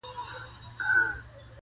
رپول مي بیرغونه هغه نه یم -